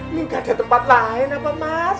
ini gak ada tempat lain apa mas